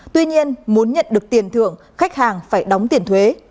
tuy nhiên muốn nhận được tiền thưởng khách hàng phải đóng tiền thuế